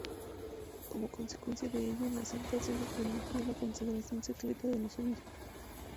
Como consecuencia de ello, la Santa Sede permitió la consagración secreta de los obispos.